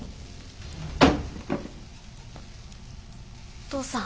お父さん。